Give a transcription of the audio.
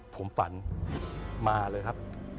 ผมฝันมาเลยครับ